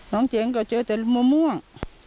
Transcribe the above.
น้องเจ๋งก็เจอแต่ลูกม่วง